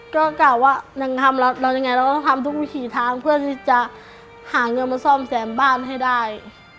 ก็กล่าวว่าเราทำกี่ทางเพื่อที่จะหาเงินมาซ่อมแสบบ้านให้ได้